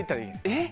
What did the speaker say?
えっ？